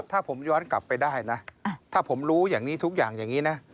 ถ้าผมย้อนกลับไปได้นะถ้าผมรู้อย่างนี้ทุกอย่างอย่างนี้นะ